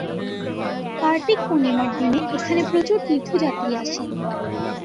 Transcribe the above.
কার্তিক পূর্ণিমার দিনে এখানে প্রচুর তীর্থযাত্রী আসেন।